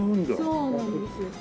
そうなんですよ。